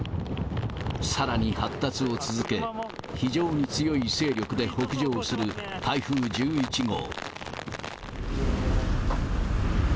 さらに発達を続け、非常に強い勢力で北上する台風１１号。